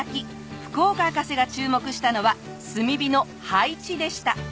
福岡博士が注目したのは炭火の配置でした。